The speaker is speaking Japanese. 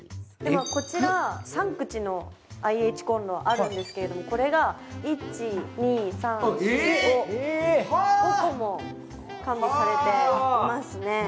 こちら、３口のＩＨコンロあるんですけどこれが５個も完備されていますね。